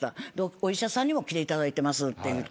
お医者さんにも来ていただいてますって言うて。